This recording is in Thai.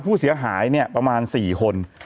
ผู้เสียหายเนี่ยประมาณ๔คน